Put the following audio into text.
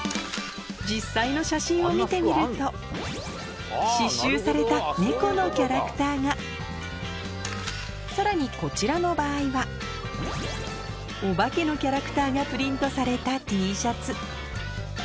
実際の写真を見てみると刺しゅうされた猫のキャラクターがさらにこちらの場合はお化けのキャラクターがプリントされたＴシャツ